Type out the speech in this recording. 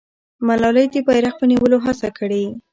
ملالۍ د بیرغ په نیولو هڅه کړې.